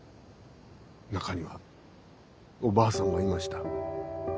中にはおばあさんがいました。